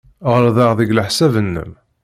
Ɣelḍeɣ deg leḥsab-nnem.